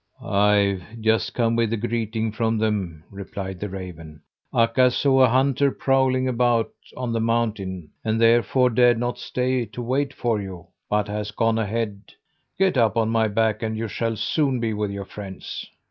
"I've just come with a greeting from them," replied the raven. "Akka saw a hunter prowling about on the mountain and therefore dared not stay to wait for you, but has gone on ahead. Get up on my back and you shall soon be with your friends."